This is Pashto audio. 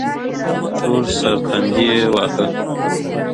ټولو سر تندی واهه.